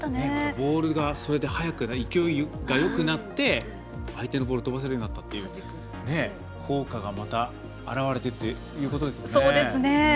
ボールがそれで速く勢いがよくなって相手のボールを飛ばせるようになったという効果がまた表れているということですね。